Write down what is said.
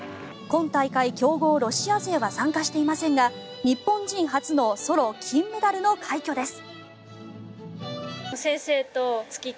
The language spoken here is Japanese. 今大会、強豪ロシア勢は参加していませんが日本人初のソロ金メダルの快挙です。